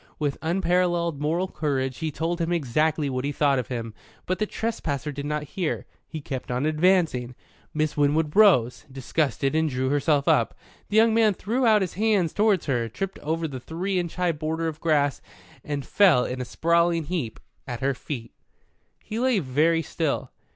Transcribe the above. With unparalleled moral courage he told him exactly what he thought of him. But the trespasser did not hear. He kept on advancing. Miss Winwood rose, disgusted, and drew herself up. The young man threw out his hands towards her, tripped over the three inch high border of grass, and fell in a sprawling heap at her feet. He lay very still.